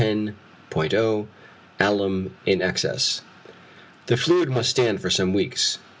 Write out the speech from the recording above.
0 Alum in excess The fluid must stand for some weeks.